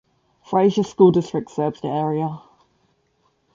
Frazier School District serves the area.